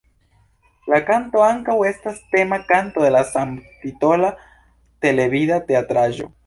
La kanto ankaŭ estas tema kanto de la samtitola televida teatraĵo.